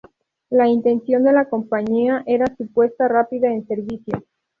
La intención de la compañía era su puesta rápida en servicio.